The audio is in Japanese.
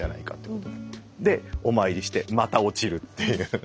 でお参りしてまた落ちるっていう。